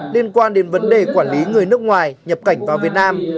liên quan đến vấn đề quản lý người nước ngoài nhập cảnh vào việt nam